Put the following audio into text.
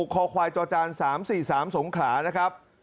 คอควายจอจาน๓๔๓สงขลานะครับ